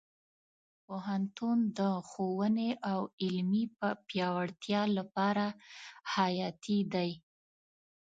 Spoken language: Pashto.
پوهنتون د ښوونې او علمي پیاوړتیا لپاره حیاتي دی.